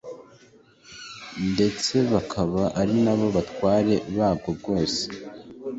ndetse bakaba ari na bo batware babwo bwose.